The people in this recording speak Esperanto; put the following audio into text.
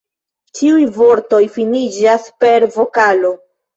Ĉiuj vortoj finiĝas per vokalo.